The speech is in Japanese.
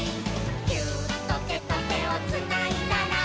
「ギューッとてとてをつないだら」